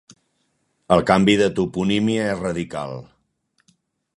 El canvi de toponímia és radical.